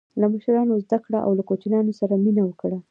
له مشرانو زده کړه او له کوچنیانو سره مینه وکړه.